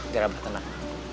biar abah tenang